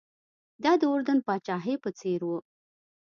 دا د اردن پاچاهۍ په څېر و.